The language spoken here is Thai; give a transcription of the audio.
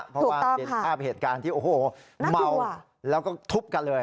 เพราะว่าเห็นภาพเหตุการณ์ที่โอ้โหเมาแล้วก็ทุบกันเลย